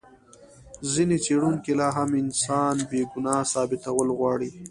ځینې څېړونکي لا هم انسان بې ګناه ثابتول غواړي.